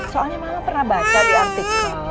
soalnya mama pernah baca di artikel